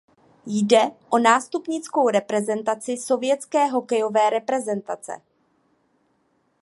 Jde o nástupnickou reprezentaci sovětské hokejové reprezentace.